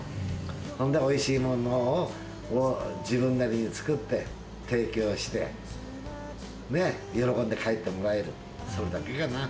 そんでおいしいものを、自分なりに作って、提供して、ね、喜んで帰ってもらえる、それだけかな。